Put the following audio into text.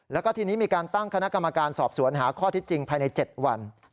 แล้วก็ทีนี้มีการตั้งคณะกรรมการสอบสวนหาข้อที่จริงภายใน๗วัน